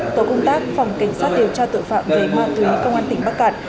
tổ công tác phòng cảnh sát điều tra tội phạm về ma túy công an tỉnh bắc cạn